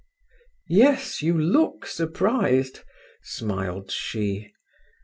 "Yes, you look surprised," smiled she.